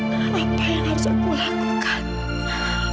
dengan apa yang harus aku lakukan